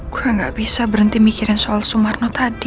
gue gak bisa berhenti mikirin soal sumarno tadi